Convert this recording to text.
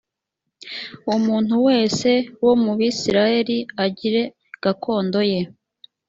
umuntu wese wo mu bisirayeli agire gakondo ye.